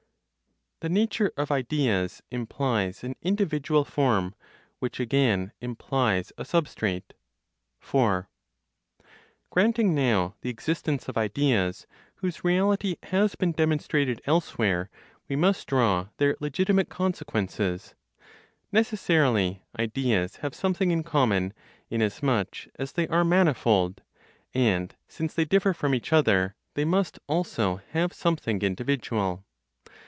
THE NATURE OF IDEAS IMPLIES AN INDIVIDUAL FORM, WHICH AGAIN IMPLIES A SUBSTRATE. 4. Granting now the existence of ideas, whose reality has been demonstrated elsewhere, we must draw their legitimate consequences. Necessarily ideas have something in common, inasmuch as they are manifold; and since they differ from each other, they must also have something individual.